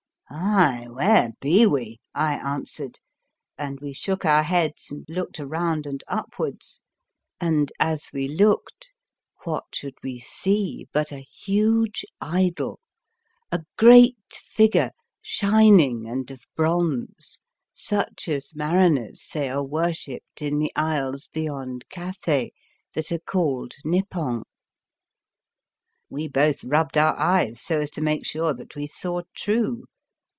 " 11 Aye, where be we? " I answered, and we shook our heads and looked around and upwards; and as we looked, what should we see but a huge idol, a great figure, shining and of bronze, such as mariners say are wor shipped in the isles beyond Kathay that are called Nipong. We both *5 The Fearsome Island rubbed our eyes, so as to make sure that we saw true.